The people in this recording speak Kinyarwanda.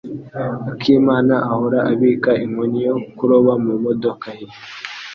akimana ahora abika inkoni yo kuroba mumodoka ye.